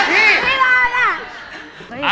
พี่บอนอ่ะ